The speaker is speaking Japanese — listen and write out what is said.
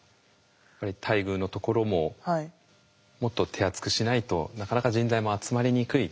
やっぱり待遇のところももっと手厚くしないとなかなか人材も集まりにくい。